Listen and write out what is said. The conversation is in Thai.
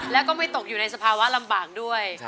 แล้วก็ไม่ตกอยู่ในสภาวะลำบากด้วย